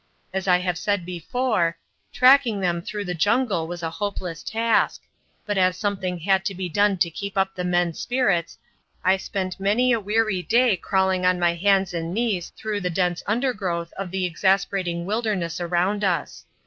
As I have said before, tracking them through the jungle was a hopeless task; but as something had to be done to keep up the men's spirits, I spent many a weary day crawling on my hands and knees through the dense undergrowth of the exasperating wilderness around us.